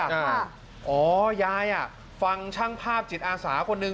อ่าอ๋อยายอ่ะฟังช่างภาพจิตอาสาคนหนึ่ง